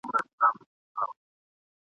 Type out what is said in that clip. کبرجن د خدای ج دښمن دئ !.